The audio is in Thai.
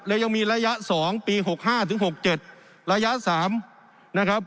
แล้วยังมีระยะสองปีหกห้าถึงหกเจ็ดระยะสามนะครับ